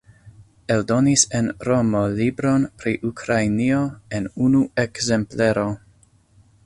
Eldonis en Romo libron pri Ukrainio en unu ekzemplero.